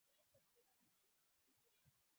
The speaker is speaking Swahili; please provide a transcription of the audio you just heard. Mlima ule ni mrefu sana.